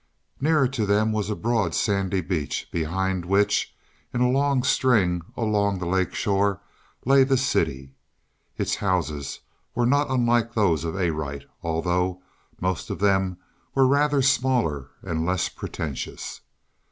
Nearer to them was a broad, sandy beach behind which, in a long string along the lake shore, lay the city. Its houses were not unlike those of Arite, although most of them were rather smaller and less pretentious.